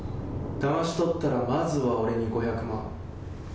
だまし取ったら、まずは俺に５００万。